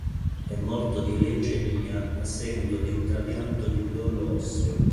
È morto di leucemia a seguito di un trapianto di midollo osseo.